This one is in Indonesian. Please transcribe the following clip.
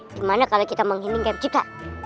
gimana kalau kita menghinding game cipta